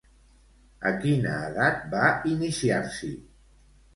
A quina edat va iniciar-s'hi?